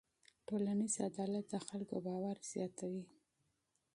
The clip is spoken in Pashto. ټولنیز عدالت د خلکو باور زیاتوي.